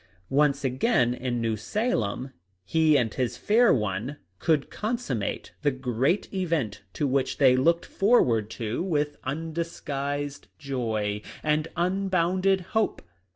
Once again in New Salem he and his fair one could consummate the great event to which they looked forward with undisguised joy and unbounded hope.